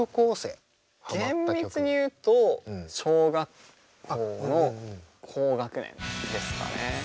厳密にいうと小学校の高学年ですかね。